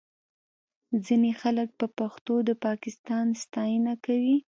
ځینې خلک په پښتو د پاکستان ستاینه کوي